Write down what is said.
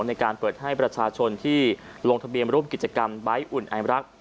ในการเปิดให้ประชาชนที่ลงทะเบียนร่วมกิจกรรมใบ้อุ่นไอรัก